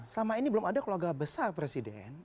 selama ini belum ada keluarga besar presiden